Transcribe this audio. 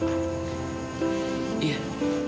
ini yang baru bapak